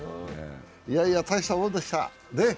いやいや大したもんでした。